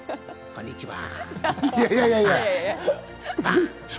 こんにちは。